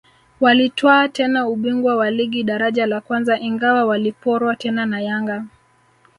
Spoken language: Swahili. Walitwaa tena ubingwa wa ligi daraja la kwanza ingawa waliporwa tena na Yanga